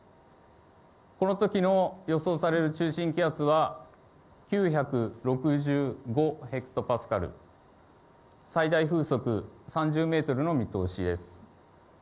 このときの予想される中心気圧は９６５ヘクトパスカル、最大風速３０メートルの見通しです。